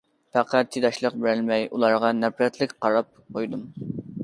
پەقەت چىداشلىق بېرەلمەي ئۇلارغا نەپرەتلىك قاراپ قويدۇم.